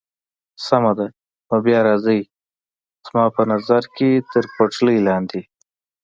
سمه ده، نو بیا راځئ، زما په نظر که تر پټلۍ لاندې.